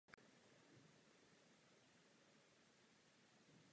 Tyto stavy můžeme považovat za mezní nabíjecí podmínky.